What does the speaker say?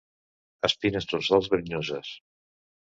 Espines dorsals verinoses.